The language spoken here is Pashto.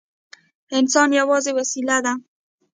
انسان یوازې وسیله ده.